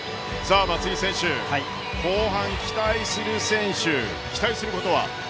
松井選手、後半、期待する選手期待することは？